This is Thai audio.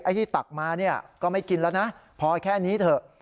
ที่ตักมาเนี่ยก็ไม่กินแล้วนะพอแค่นี้เถอะ